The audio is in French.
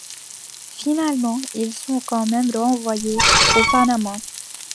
Finalement ils sont quand même renvoyés au Panama.